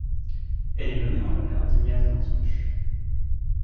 Elle est nommée en l'honneur d'Ignace d'Antioche.